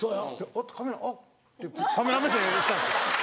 「おっとカメラあっ」ってカメラ目線したんですよ。